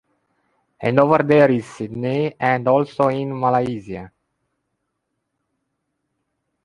And over there in Sydney, and also in Malaysia.